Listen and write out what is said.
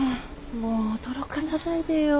もう驚かさないでよ。